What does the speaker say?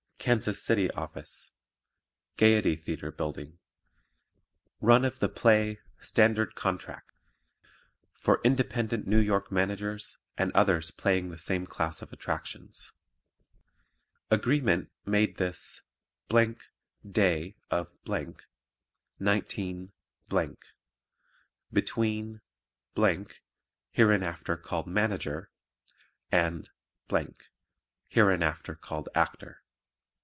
KANSAS CITY OFFICE Gayety Theatre Bldg. RUN OF THE PLAY STANDARD CONTRACT For Independent New York Managers and others playing the same class of attractions AGREEMENT made this day of , 19 , between (hereinafter called "Manager") and (hereinafter called "Actor").